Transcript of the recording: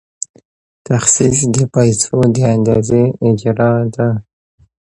تخصیص د پیسو د اندازې اجرا ده.